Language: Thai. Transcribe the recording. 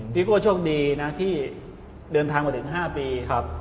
พี่โก้โชคดีนะที่เดินทางมาถึง๕ปี